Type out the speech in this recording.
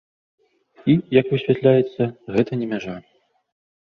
І, як высвятляецца, гэта не мяжа.